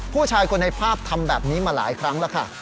ผู้ชายคนในภาพทำแบบนี้มาหลายครั้งแล้วค่ะ